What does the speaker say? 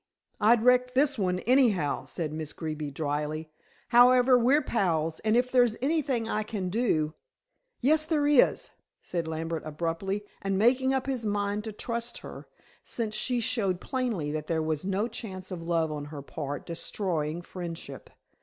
"I'd wreck this one, anyhow," said Miss Greeby dryly. "However, we're pals, and if there's anything I can do " "Yes, there is," said Lambert abruptly, and making up his mind to trust her, since she showed plainly that there was no chance of love on her part destroying friendship.